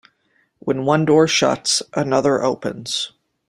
Where one door shuts, another opens.